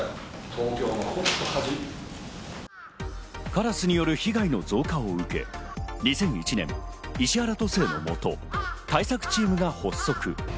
カラスによる被害の増加を受け、２００１年、石原都政の下、対策チームが発足。